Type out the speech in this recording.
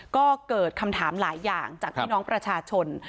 ก็เกิดคำถามหลายอย่างจากพี่น้องประชาชน